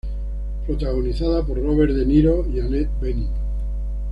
Protagonizada por Robert De Niro y Annette Bening.